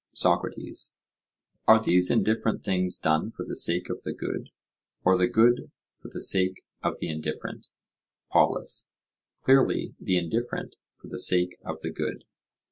SOCRATES: Are these indifferent things done for the sake of the good, or the good for the sake of the indifferent? POLUS: Clearly, the indifferent for the sake of the good.